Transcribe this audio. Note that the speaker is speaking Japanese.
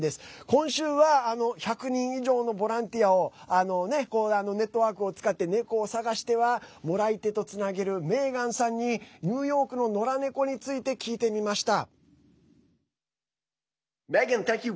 今週は、１００人以上のボランティアをネットワークを使って猫を探してはもらい手とつなげるメーガンさんにニューヨークののら猫について聞いてみました。